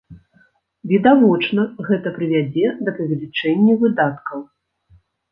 Відавочна, гэта прывядзе да павелічэння выдаткаў.